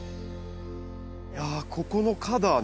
いやここの花壇